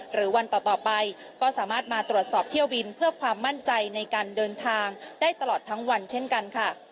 วันต่อไปก็สามารถมาตรวจสอบเที่ยวบินเพื่อความมั่นใจในการเดินทางได้ตลอดทั้งวันเช่นกันค่ะ